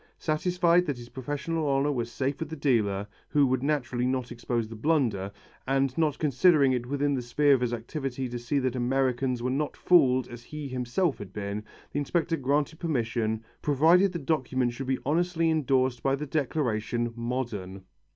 Satisfied that his professional honour was safe with the dealer, who would naturally not expose the blunder, and not considering it within the sphere of his activity to see that Americans were not fooled as he himself had been, the inspector granted permission, provided the documents should be honestly endorsed by the declaration "modern."